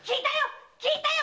聞いたよ！